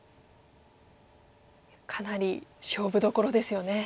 かなり勝負どころですよね。